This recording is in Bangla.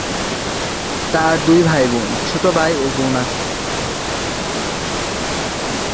তার দুই ভাইবোন, ছোট ভাই ও বোন আছে।